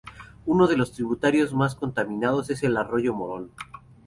Uno de los tributarios más contaminados es el Arroyo Morón.